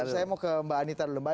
saya mau ke mbak anita dulu mbak